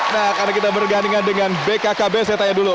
nah karena kita bergandingan dengan bkkb saya tanya dulu